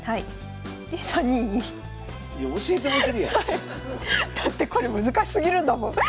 だってこれ難しすぎるんだもん。